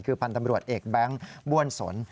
คือพันธ์ตำรวจเอกแบงค์บ้วนสน